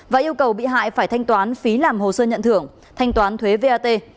và yêu cầu bị hại phải thanh toán phí làm hồ sơ nhận thưởng thanh toán thuế vat